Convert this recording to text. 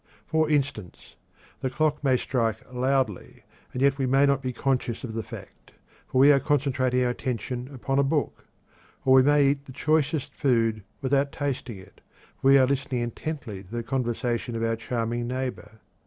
For instance, the clock may strike loudly, and yet we may not be conscious of the fact, for we are concentrating our attention upon a book; or we may eat the choicest food without tasting it, for we are listening intently to the conversation of our charming neighbor.